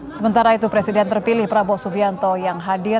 sementara itu presiden terpilih prabowo subianto yang hadir